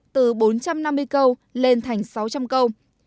từ bốn trăm năm mươi câu lên thành sáu trăm linh câu